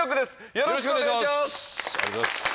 よろしくお願いします